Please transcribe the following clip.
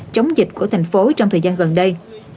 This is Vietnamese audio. chống dịch của thành phố trong thời gian gần đây